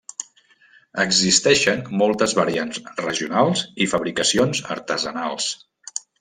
Existeixen moltes variants regionals i fabricacions artesanals.